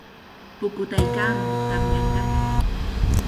Pukutaykaamun, tamyanqami.